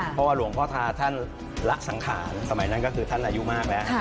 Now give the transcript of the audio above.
เพราะว่าหลวงพ่อทาท่านละสังขารสมัยนั้นก็คือท่านอายุมากแล้ว